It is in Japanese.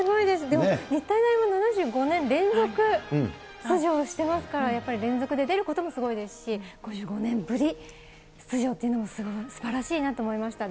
でも、日体大も７５年連続出場してますから、やっぱり連続で出ることもすごいですし、５５年ぶり出場というのも、すばらしいなと思いました。